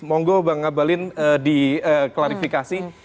monggo bang abalin diklarifikasi